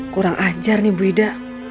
kurang ajar nih bu ida